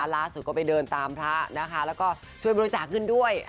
ล่าสุดก็ไปเดินตามพระนะคะแล้วก็ช่วยบริจาคขึ้นด้วย